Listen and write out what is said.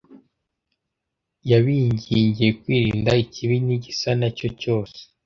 Yabingingiye “kwirinda ikibi n’igisa na cyo cyose; ”